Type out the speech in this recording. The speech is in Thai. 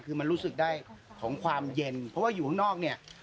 คือมันรู้สึกได้ของความเย็นเพราะว่าอยู่ข้างนอกเนี่ย